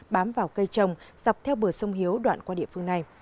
bám vào cây trồng dọc theo bờ sông hiếu đoạn qua địa phương này